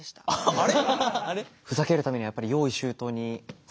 あれ？